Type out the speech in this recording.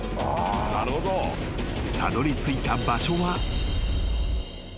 ［たどりついた場所は］